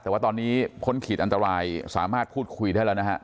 แต่ว่าตอนนี้พ้นขีดอันตรายสามารถพูดคุยได้แล้วนะฮะ